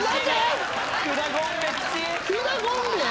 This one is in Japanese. クダゴンベ。